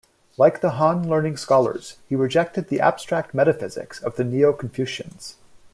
Like the Han learning scholars, he rejected the abstract metaphysics of the Neo-Confucians.